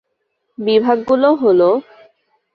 বিভাগগুলো হলো,